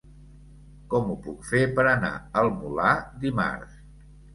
Com ho puc fer per anar al Molar dimarts?